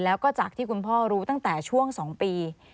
แล้วก็จากที่คุณพ่อรู้ตั้งแต่ช่วง๒ปี